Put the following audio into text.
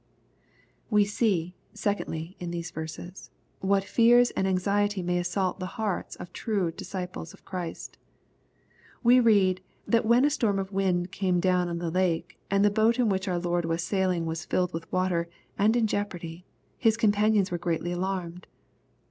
We see, secondly, in these verses, what fears and ^ anxiety may assault the hearts of true disciples of Christ. W 3 read, that "when a storm of wind came down on the lake," and the boat in which our Lord was sailing was filled with water, and in jeopardy, His companions were greatly alarmed.